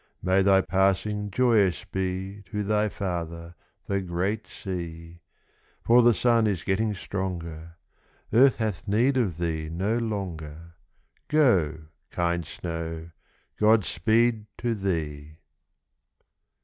May thy passing joyous be To thy father, the great sea, For the sun is getting stronger; Earth hath need of thee no longer; Go, kind snow, God speed to thee!